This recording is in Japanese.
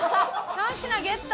３品ゲット！